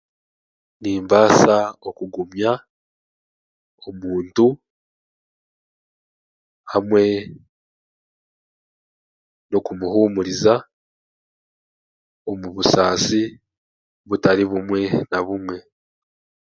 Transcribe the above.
Nimbaasa okugumya omuntu hamwe n'okumuhuuriza omu busaasi butari bumwe na bumwe